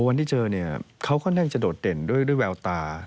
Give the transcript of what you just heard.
วันที่เจอเนี่ยเขาก็น่าจะโดดเด่นด้วยแววตา